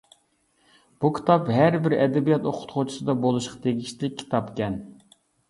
بۇ كىتاب ھەربىر ئەدەبىيات ئوقۇتقۇچىسىدا بولۇشقا تېگىشلىك كىتابكەن.